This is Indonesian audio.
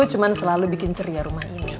cuma selalu bikin ceria rumah ibu